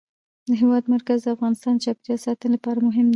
د هېواد مرکز د افغانستان د چاپیریال ساتنې لپاره مهم دي.